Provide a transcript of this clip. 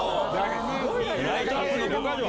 ライトアップの５か条。